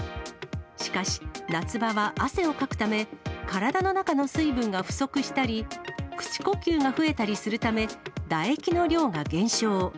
しかし、夏場は汗をかくため、体の中の水分が不足したり、口呼吸が増えたりするため、唾液の量が減少。